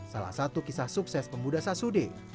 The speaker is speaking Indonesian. salah satu kisah sukses pemuda sasude